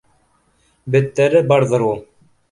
Беттәре барҙыр ул!